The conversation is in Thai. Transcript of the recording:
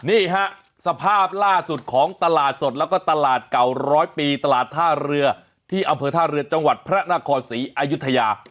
นี่ฮะสภาพล่าสุดของตลาดสดแล้วก็ตลาดเก่าร้อยปีตลาดท่าเรือที่อำเภอท่าเรือจังหวัดพระนครศรีอายุทยา